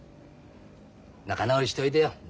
仲直りしておいでよ。ね？